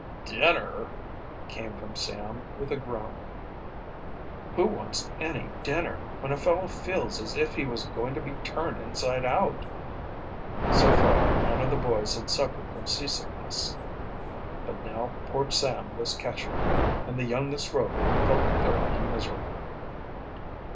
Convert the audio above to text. "Dinner!" came from Sam, with a groan. "Who wants any dinner, when a fellow feels as if he was going to be turned inside out!" So far none of the boys had suffered from seasickness, but now poor Sam was catching it, and the youngest Rover felt thoroughly miserable.